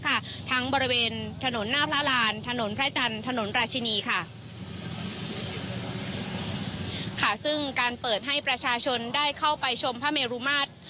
ค่ะค่ะซึ่งการเปิดให้ประชาชนได้เข้าไปชมพระเมรุมาตร